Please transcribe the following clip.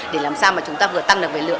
để làm sao mà chúng ta vừa tăng được về lượng